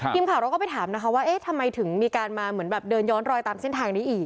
ทีมข่าวเราก็ไปถามนะคะว่าเอ๊ะทำไมถึงมีการมาเหมือนแบบเดินย้อนรอยตามเส้นทางนี้อีก